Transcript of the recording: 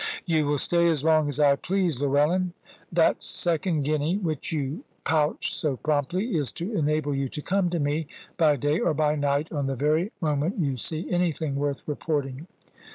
"You will stay as long as I please, Llewellyn. That second guinea, which you pouched so promptly, is to enable you to come to me, by day or by night, on the very moment you see anything worth reporting.